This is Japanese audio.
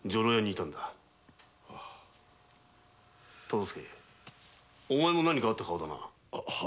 忠相お前も何かあった顔だな。